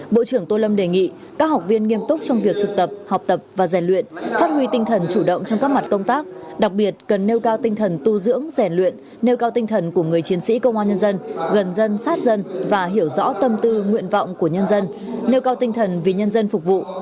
bộ trưởng tô lâm đề nghị các học viên nghiêm túc trong việc thực tập học tập và rèn luyện phát huy tinh thần chủ động trong các mặt công tác đặc biệt cần nêu cao tinh thần tu dưỡng rèn luyện nêu cao tinh thần của người chiến sĩ công an nhân dân gần dân sát dân và hiểu rõ tâm tư nguyện vọng của nhân dân nêu cao tinh thần vì nhân dân phục vụ